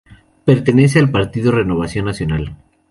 Pertenece al partido Renovación Nacional.